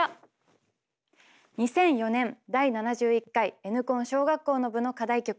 ２００４年第７１回「Ｎコン」小学校の部の課題曲